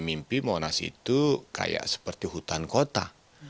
itu seperti hutan kota